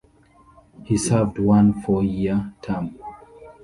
He served one four-year term.